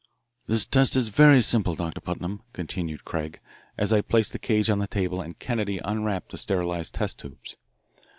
"This test is very simple, Doctor Putnam," continued Craig, as I placed the cage on the table and Kennedy unwrapped the sterilised test tubes.